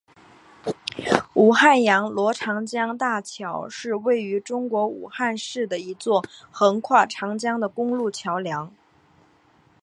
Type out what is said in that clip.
武汉阳逻长江大桥是位于中国武汉市的一座横跨长江的公路桥梁。